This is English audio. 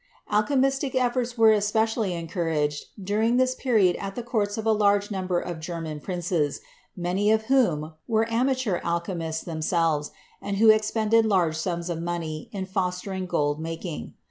Alchemistic efforts were especially encouraged dur ing this period at the courts of a large number of German princes, many of whom were amateur alchemists them selves and who expended large sums of money in fostering gold making.